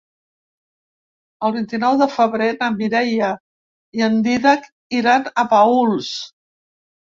El vint-i-nou de febrer na Mireia i en Dídac iran a Paüls.